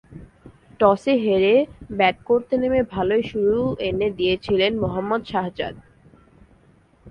টসে হেরে ব্যাট করতে নেমে ভালোই শুরু এনে দিয়েছিলেন মোহাম্মদ শাহজাদ।